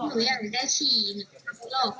มาเลยเสร็จ